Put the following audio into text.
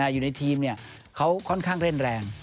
อยู่ในทีมเขาค่อนข้างเล่นแรง